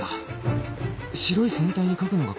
白い船体に書くのが怖い